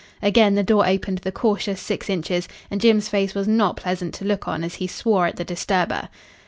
Again the door opened the cautious six inches, and Jim's face was not pleasant to look on as he swore at the disturber.